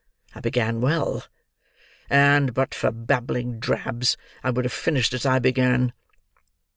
I began well; and, but for babbling drabs, I would have finished as I began!"